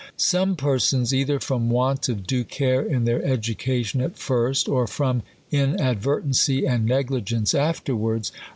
Some persons, cither from want of dwe care in their ■education at first, or from inadvertency and negligence afterwards.